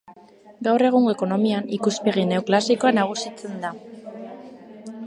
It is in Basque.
Gaur egungo ekonomian, ikuspegi neoklasikoa nagusitzen da.